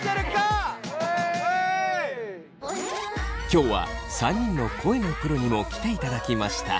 今日は３人の声のプロにも来ていただきました。